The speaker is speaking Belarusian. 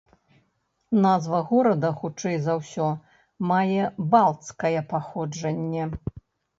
Назва горада хутчэй за ўсё мае балцкае паходжанне.